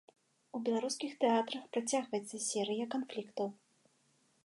У беларускіх тэатрах працягваецца серыя канфліктаў.